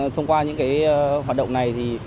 thông qua những hoạt động này